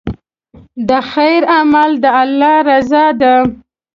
د خیر عمل د الله رضا ده.